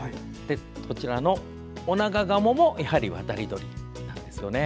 こちらのオナガガモもやはり渡り鳥なんですよね。